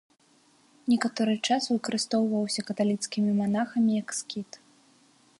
Некаторы час выкарыстоўваўся каталіцкімі манахамі як скіт.